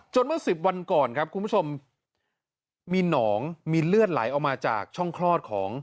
เมื่อสิบวันก่อนครับคุณผู้ชมมีหนองมีเลือดไหลออกมาจากช่องคลอดของ